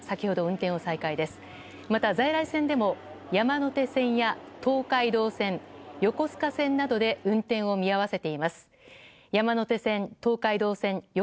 また在来線でも山手線や東海道線横須賀線などで運転を見合わせています。